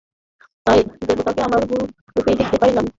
তাই দেবতাকে আমার গুরুর রূপেই দেখিতে পাইলাম।